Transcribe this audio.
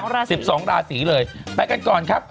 ๑๒ราศี๑๒ราศีเลยไปกันก่อนครับ